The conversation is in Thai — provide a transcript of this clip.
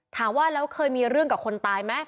ถามว่าแล้วเคยมีเรื่องกับคนตายไหม